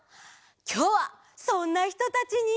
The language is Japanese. きょうはそんなひとたちに。